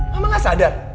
mama gak sadar